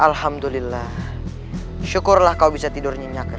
alhamdulillah syukurlah kau bisa tidur nyinyak rai